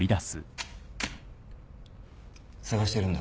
捜してるんだろ？